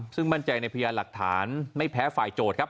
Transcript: ซึ่งมั่นใจในพยานหลักฐานไม่แพ้ฝ่ายโจทย์ครับ